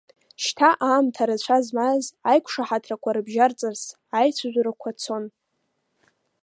Шьҭа аамҭа рацәа змаз аиқәшаҳаҭрақәа рыбжьарҵарц, аицәажәарақәа цон.